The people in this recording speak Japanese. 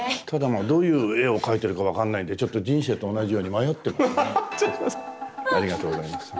あどういう絵を描いてるか分かんないんでちょっと人生と同じように迷ってますね。